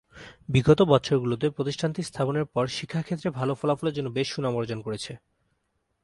বিগত বৎসর গুলোতে প্রতিষ্ঠানটি স্থাপনের পর শিক্ষা ক্ষেত্রে ভাল ফলাফলের জন্য বেশ সুনাম অর্জন করেছে।